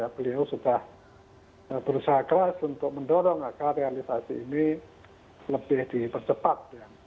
beliau sudah berusaha keras untuk mendorong agar realisasi ini lebih dipercepat